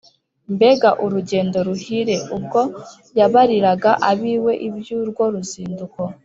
mbega urugendo ruhire! ubwo yabariraga ab’iwe iby’urwo ruzinduko